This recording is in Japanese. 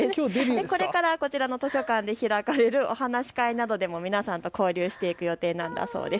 これからこちらの図書館で開かれるおはなし会などでも皆さんと交流していく予定なんだそうです。